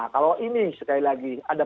kalau ini sekali lagi ada